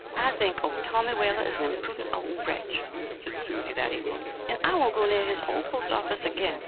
"I think old Tommy Whaler is an impudent old wretch," said Susie that evening, "and I won't go near his old post office again."